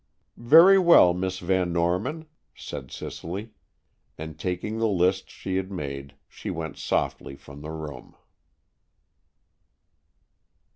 "Very well, Miss Van Norman," said Cicely, and, taking the lists she had made, she went softly from the room.